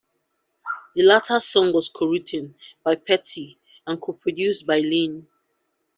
The latter song was co-written by Petty and co-produced by Lynne.